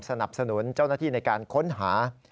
สนับสนุนเจ้าหน้าที่ในการค้นหา